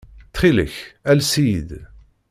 Ttxil-k, ales-iyi-d.